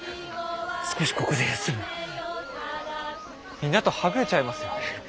皆とはぐれちゃいますよ。